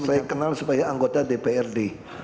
saya kenal sebagai anggota dprd